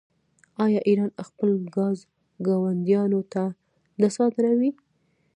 آیا ایران خپل ګاز ګاونډیانو ته نه صادروي؟